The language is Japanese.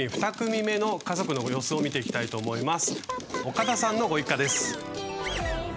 岡田さんのご一家です。